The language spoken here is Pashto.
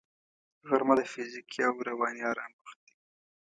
غرمه د فزیکي او رواني آرام وخت دی